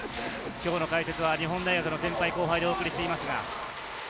今日の解説は日本大学の先輩後輩でお送りしています。